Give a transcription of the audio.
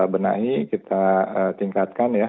benahi kita tingkatkan ya